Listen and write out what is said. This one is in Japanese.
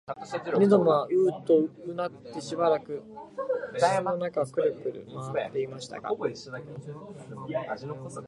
犬どもはううとうなってしばらく室の中をくるくる廻っていましたが、